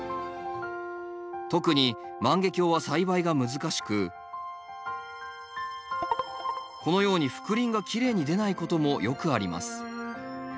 特に万華鏡は栽培が難しくこのように覆輪がきれいに出ないこともよくあります。